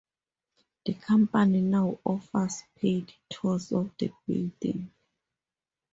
The company now offers paid tours of the building.